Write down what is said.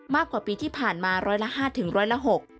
มากกว่าปีที่ผ่านมาร้อยละห้าถึงร้อยละหก